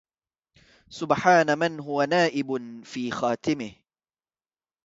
سبحان من هو نائب في خاتمه